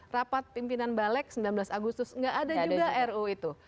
rapat pimpinan balek sembilan belas agustus nggak ada juga ru itu